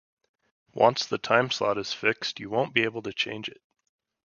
Once the time slot is fixed, you won't be able to change it.